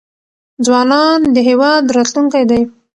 ځوانان د هیواد راتلونکی دی.